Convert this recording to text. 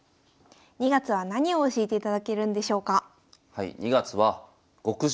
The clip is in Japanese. ２月は何を教えていただけるんでしょうか？